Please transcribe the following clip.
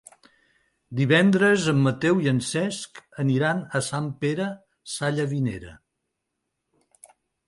Divendres en Mateu i en Cesc aniran a Sant Pere Sallavinera.